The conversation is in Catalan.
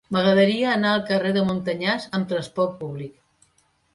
M'agradaria anar al carrer de Montanyans amb trasport públic.